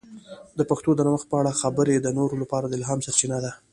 د پښتو د نوښت په اړه خبرې د نورو لپاره د الهام سرچینه ده.